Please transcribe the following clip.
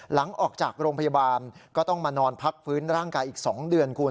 หลังจากออกจากโรงพยาบาลก็ต้องมานอนพักฟื้นร่างกายอีก๒เดือนคุณ